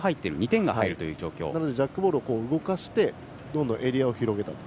なのでジャックボールを動かしてどんどんエリアを広げたい。